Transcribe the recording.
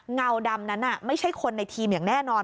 เงาดำนั้นไม่ใช่คนในทีมอย่างแน่นอน